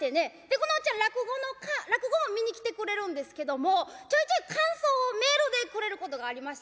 このおっちゃん落語は見に来てくれるんですけどもちょいちょい感想をメールでくれることがありまして